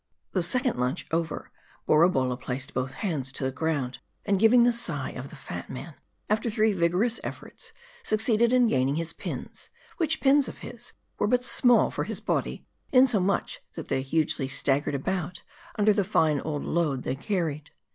The second lunch over, Borabolla placed both hands to the ground, and giving the sigh of the fat man, after three vigorous efforts, succeeded in gaining his pins ; which pins of his, were but small for his body ; insomuch that they hugely staggered about, under the fine old load they carried.